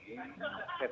jangan hal ini